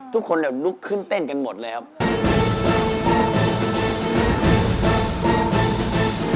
ทุกคนลุกขึ้นเต้นกันหมดเลยครับ